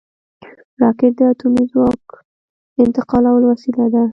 راکټ د اټومي ځواک انتقالولو وسیله ده